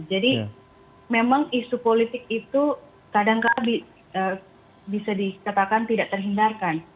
jadi memang isu politik itu kadang kadang bisa dikatakan tidak terhindarkan